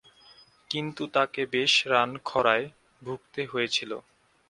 কিন্তু তাকে বেশ রান খরায় ভুগতে হয়েছিল।